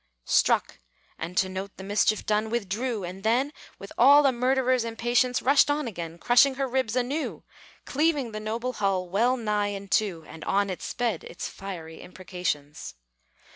Struck, and to note the mischief done, withdrew, And then, with all a murderer's impatience, Rushed on again, crushing her ribs anew, Cleaving the noble hull well nigh in two, And on it sped its fiery imprecations.